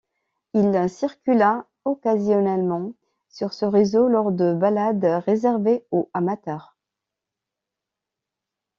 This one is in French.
Il circula occasionnellement sur ce réseau lors de balades réservées aux amateurs.